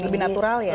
lebih natural ya